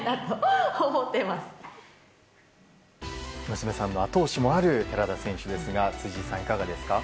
娘さんの後押しもある寺田選手ですが辻さん、いかがですか。